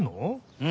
うん。